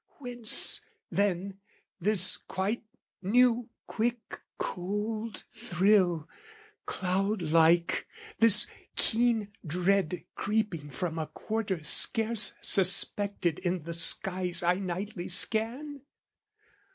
Whence, then, this quite new quick cold thrill, cloud like, This keen dread creeping from a quarter scarce Suspected in the skies I nightly scan?